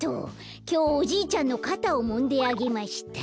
きょう「おじいちゃんのかたをもんであげました」。